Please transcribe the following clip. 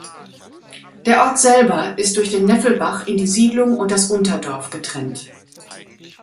Der Ort selber ist durch den Neffelbach in die Siedlung und das Unterdorf getrennt.